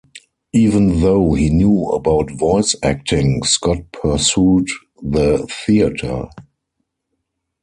Even though he knew about voice acting, Scott pursued the theater.